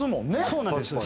そうなんですよ。